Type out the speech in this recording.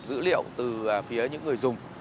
dữ liệu từ phía những người dùng